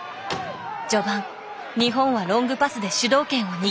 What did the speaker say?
序盤日本はロングパスで主導権を握ります。